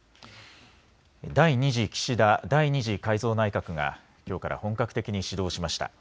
第２次岸田第２次改造内閣がきょうから本格的に始動しました。